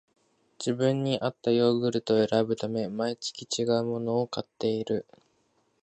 自分にあったヨーグルトを選ぶため、毎月ちがうものを買っている